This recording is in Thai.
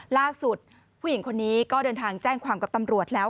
ผู้หญิงคนนี้ก็เดินทางแจ้งความกับตำรวจแล้ว